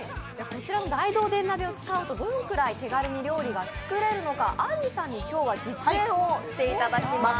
こちらの大同電鍋を使うとどれぐらい手軽に料理ができるのかあんりさんに今日は実演をしていただきます。